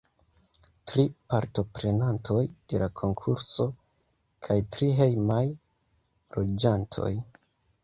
Tri partoprenantoj de la konkurso kaj tri hejmaj loĝantoj.